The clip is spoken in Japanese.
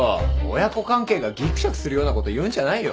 親子関係がギクシャクするようなこと言うんじゃないよ。